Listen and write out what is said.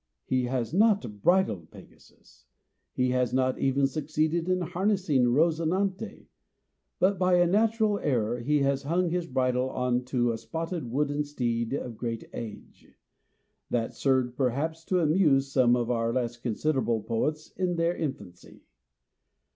He has not bridled Pegasus. He has not even suc ceeded in harnessing Rosinante, but by a natural error he has hung his bridle on to a spotted wooden steed of great age, that served perhaps to amuse some of our less considerable poets in their infancy.